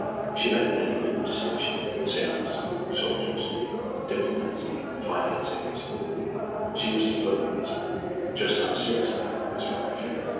She met many men of distinction, sailors, soldiers, diplomats, financiers. She was to flirt with these men just how seriously, was her own affair!